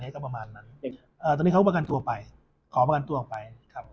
ตอนนี้เขาประกันตัวไปขอประกันตัวออกไป